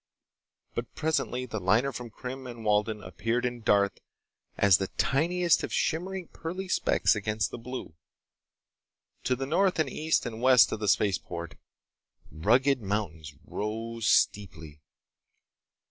But presently the liner from Krim and Walden appeared in Darth as the tiniest of shimmering pearly specks against the blue. To the north and east and west of the spaceport, rugged mountains rose steeply.